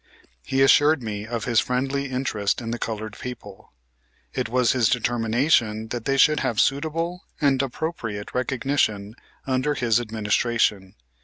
He assured me of his friendly interest in the colored people. It was his determination that they should have suitable and appropriate recognition under his administration.